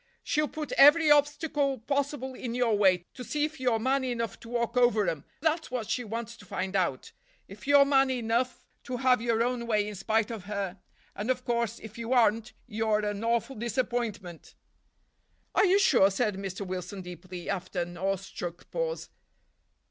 She'll put every obstacle possible in your way, to see if you're man enough to walk over 'em; that's what she wants to find out; if you're man enough to have your own way in spite of her; and, of course, if you aren't, you're an awful disappointment." "Are you sure?" said Mr. Wilson deeply, after an awestruck pause.